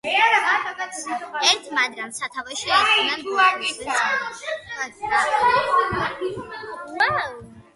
ერთ მათგანს სათავეში ედგნენ ბურგუნდიის ჰერცოგები.